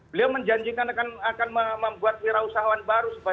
beliau menjanjikan akan membuat wira usahawan baru